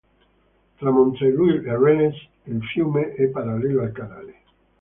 Tra Montreuil e Rennes, il fiume è parallelo al canale.